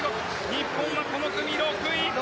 日本はこの組６位。